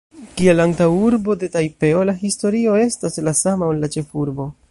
Kiel antaŭurbo de Tajpeo, la historio estas la sama, ol la ĉefurbo.